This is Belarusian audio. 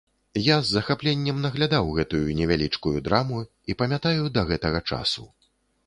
Я з захапленнем наглядаў гэтую невялічкую драму і памятаю да гэтага часу.